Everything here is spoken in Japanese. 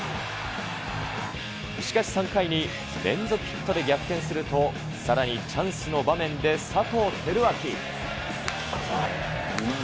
しかし３回に連続ヒットで逆転すると、さらにチャンスの場面で佐藤輝明。